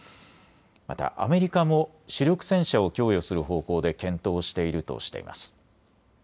またアメリカも主力戦車を供与する方向で検討しているとしています。